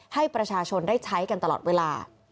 ให้ประชาชนได้ใช้กันตลอดเวลา